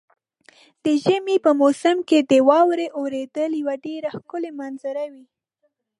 د ژمي په موسم کې د واورې اورېدل یو ډېر ښکلی منظر وي.